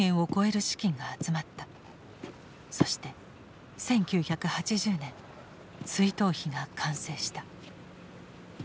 そして１９８０年追悼碑が完成した。